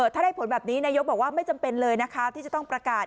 ถ้าได้ผลแบบนี้นายกบอกว่าไม่จำเป็นเลยนะคะที่จะต้องประกาศ